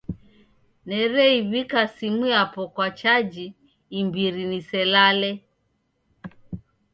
Nereiw'ika simu yapo kwa chaji imbiri niselale.